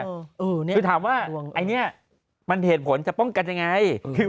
คือถามว่าไอ้เนี่ยมันเหตุผลจะป้องกันยังไง